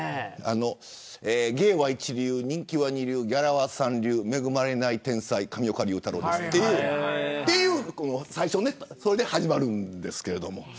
芸は一流、人気は二流ギャラは三流恵まれない天才、上岡龍太郎ですで始まるんですけど。